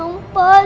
itu dia pak